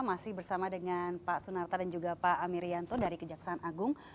masih bersama dengan pak sunarta dan juga pak amir yanto dari kejaksaan agung